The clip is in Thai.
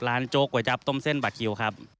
ร้านโจ๊กก๋วยจับต้มเส้นบัตรคิวครับ